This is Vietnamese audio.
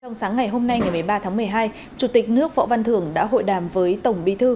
trong sáng ngày hôm nay ngày một mươi ba tháng một mươi hai chủ tịch nước võ văn thưởng đã hội đàm với tổng bí thư